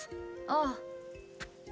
ああ。